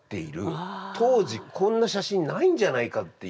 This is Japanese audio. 当時こんな写真ないんじゃないかっていう。